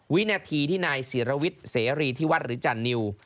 วินาธีที่นายเสียรีที่วัดฤทธิ์จันนิว